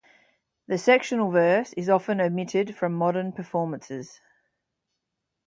The sectional verse is often omitted from modern performances.